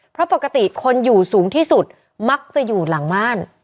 เพราะปกติคนอยู่สูงที่สุดมักจะอยู่หลังบ้าน